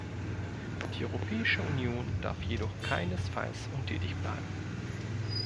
Die Europäische Union darf jedoch keinesfalls untätig bleiben.